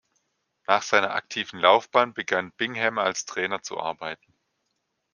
Nach seiner aktiven Laufbahn begann Bingham als Trainer zu arbeiten.